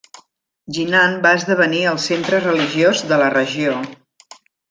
Jinan va esdevenir el centre religiós de la regió.